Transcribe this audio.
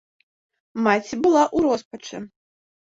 Маці была ў роспачы.